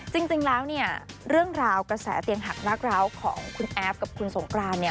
จริงแล้วเนี่ยเรื่องราวกระแสเตียงหักนักร้าวของคุณแอฟกับคุณสงกรานเนี่ย